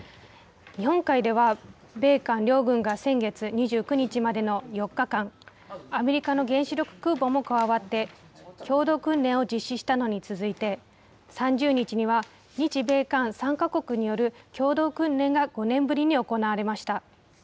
日本海では米韓両軍が先月２９日までの４日間、アメリカの原子力空母も加わって、共同訓練を実施したのに続いて、３０日には日米韓３か国による共同訓練が５年ぶりに行われました。